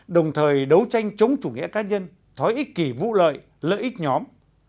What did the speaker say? đồng thời đấu tranh chống chủ nghĩa cá nhân thói ích kỷ vụ lợi lợi ích nhóm